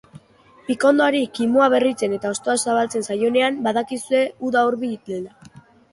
Pikondoari kimua berritzen eta hostoa zabaltzen zaionean, badakizue uda hurbil dela.